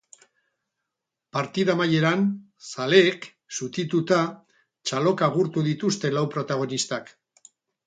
Partida amaieran, zaleek, zutituta, txaloka agurtu dituzte lau protagonistak.